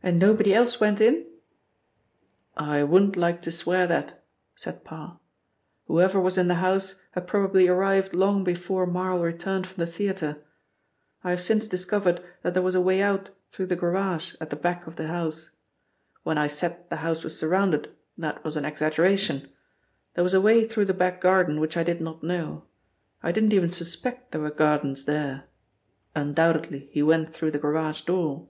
"And nobody else went in?" "I wouldn't like to swear that," said Parr. "Whoever was in the house had probably arrived long before Marl returned from the theatre. I have since discovered that there was a way out through the garage at the back of the house. When I said the house was surrounded that was an exaggeration. There was a way through the back garden which I did not know. I didn't even suspect there were gardens there. Undoubtedly he went through the garage door."